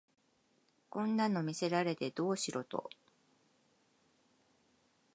こんなの見せられてどうしろと